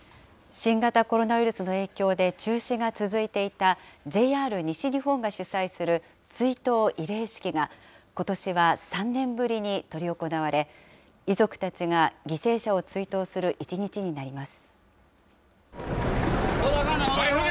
新型コロナウイルスの影響で中止が続いていたＪＲ西日本が主催する追悼慰霊式が、ことしは３年ぶりに執り行われ、遺族たちが犠牲者を追悼する一日になります。